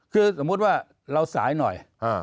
คือสมมุติว่าเราสายหน่อย